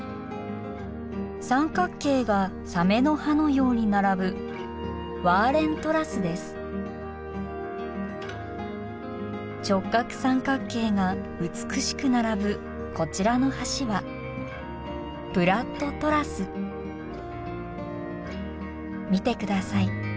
三角形がサメの歯のように並ぶ直角三角形が美しく並ぶこちらの橋は見てください